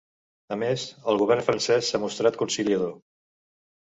A més, el govern francès s’ha mostrat conciliador.